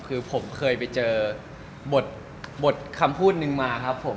คือผมเคยไปเจอบทคำพูดนึงมาครับผม